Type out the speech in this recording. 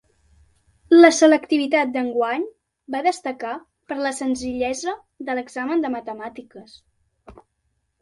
La selectivitat d'enguany va destacar per la senzillesa de l'examen de Matemàtiques